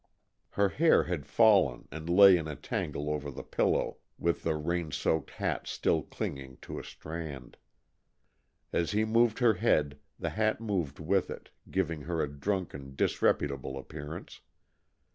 Her hair had fallen and lay in a tangle over the pillow, with the rain soaked hat still clinging to a strand. As she moved her head the hat moved with it, giving her a drunken, disreputable appearance.